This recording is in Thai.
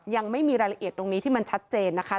ยังไม่มีรายละเอียดตรงนี้ที่มันชัดเจนนะคะ